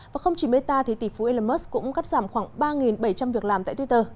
và không chỉ meta tỷ phú elon musk cũng cắt giảm khoảng ba bảy trăm linh việc làm tại twitter